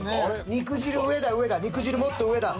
肉汁上だ上だ肉汁もっと上だ。